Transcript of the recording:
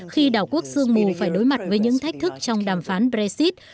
khi đảo quốc dương mù phải đối mặt với những thách thức trong đàm phán brexit